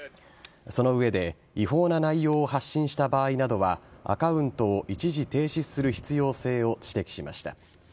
その上で違法な内容を発信した場合などはアカウントを一時停止する必要性を指摘しました。